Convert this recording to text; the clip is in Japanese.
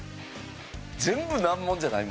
全部難問じゃない？